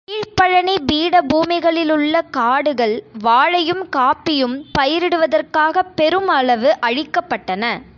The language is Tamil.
கீழ்ப்பழனிப் பீடபூமிகளிலுள்ள காடுகள் வாழையும், காஃபியும் பயிரிடுவதற்காகப் பெரும் அளவு அழிக்கப்பட்டன.